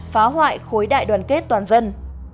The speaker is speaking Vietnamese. phá hoại khối đại đoàn kết toàn dân